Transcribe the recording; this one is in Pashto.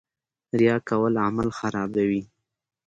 ریا کول عمل خرابوي